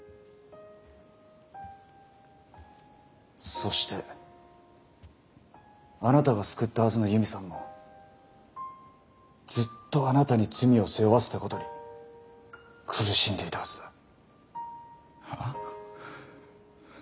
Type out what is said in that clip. そしてあなたが救ったはずの悠美さんもずっとあなたに罪を背負わせたことに苦しんでいたはずだ。はあ？